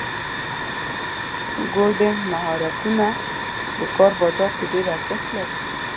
کوډینګ مهارتونه د کار بازار کې ډېر ارزښت لري.